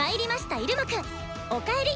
入間くん」「おかえり」。